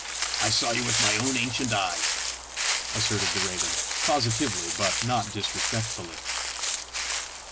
saw you with my own ancient eyes!" asserted the raven, positively but not disrespectfully.